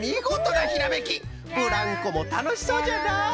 ブランコもたのしそうじゃな！